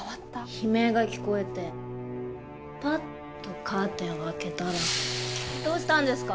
悲鳴が聞こえてパッとカーテンを開けたらどうしたんですか？